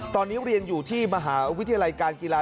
ตอนนี้เรียนอยู่ที่มหาวิทยาลัยการกีฬา